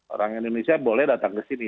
orang indonesia boleh datang ke sini